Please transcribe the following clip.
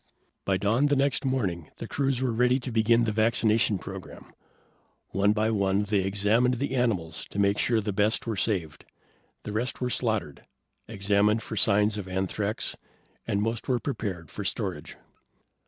By dawn the next morning the crews were ready to begin the vaccination program. One by one, they examined the animals to make sure the best were saved. The rest were slaughtered, examined for signs of anthrax, and most were prepared for storage.